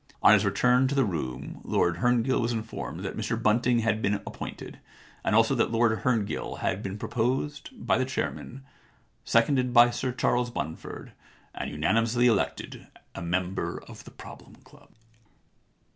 On his return to the room Lord Herngill was informed that Mr Bunting had been appointed, and also that Lord Herngill had been proposed, by the chairman, seconded by Sir Charles Bunford, and unanimously elected a member of the Problem Club.